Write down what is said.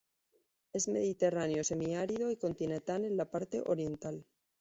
Es mediterráneo semiárido y continental en la parte oriental.